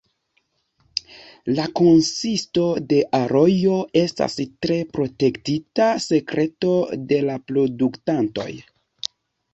La konsisto de alojo estas tre protektita sekreto de la produktantoj.